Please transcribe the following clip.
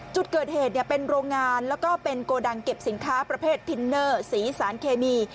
จุดเกิดเหตุเป็นโรงงานแล้วก็เป็นโกดังเก็บสินค้าประเภททินเนอร์สีสารเคมี